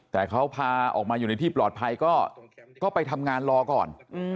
แต่เขาพาออกมาอยู่ในที่ปลอดภัยก็ไปทำงานรอก่อน